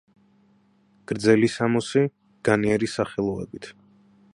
გრძელი სამოსი, განიერი სახელოებით.